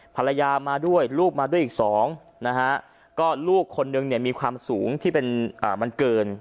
ภรรยามาด้วยลูกมาด้วยอีกสองนะฮะก็ลูกคนนึงเนี่ยมีความสูงที่เป็นมันเกิน